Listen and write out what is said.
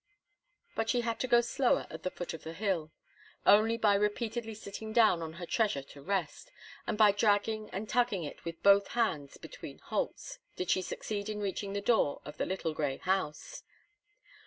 But she had to go slower at the foot of the hill; only by repeatedly sitting down on her treasure to rest, and by dragging and tugging it with both hands between halts, did she succeed in reaching the door of the little grey house.